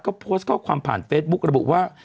ก็โพสต์ข้อความผ่านเฟซบุ๊กระบุว่า